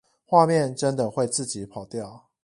畫面真的會自己跑掉